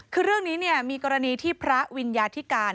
คือเรื่องนี้มีกรณีที่พระวิญญาธิการ